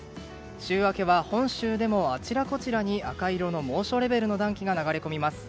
週明けは本州でもあちらこちらに赤色の猛暑レベルの暖気が流れ込みます。